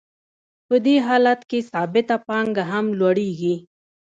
په دې حالت کې ثابته پانګه هم لوړېږي